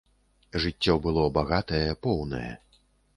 Жыццё было багатае, поўнае.